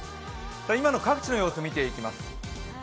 今の各地の様子、見ていきます。